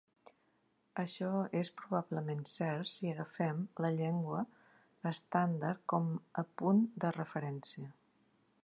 Això és probablement cert si agafem la llengua estàndard com a punt de referència.